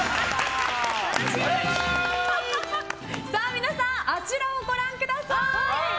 皆さん、あちらをご覧ください。